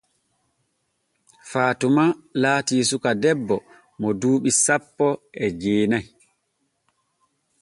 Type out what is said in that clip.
Faatuma laati suka debbo mo duuɓi sanpo e jeena'i.